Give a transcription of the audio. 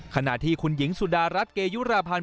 ขณะที่คุณหญิงสุดารัฐเกยุราพันธ์